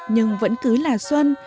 nhưng vẫn cứ là xuân